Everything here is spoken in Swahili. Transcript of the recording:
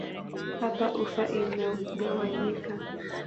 Hapa ufa imegawanyika.